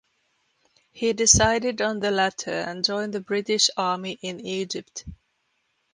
He decided on the latter and joined the British Army in Egypt.